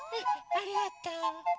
ありがとう。